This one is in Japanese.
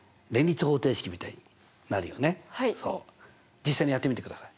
実際にやってみてください。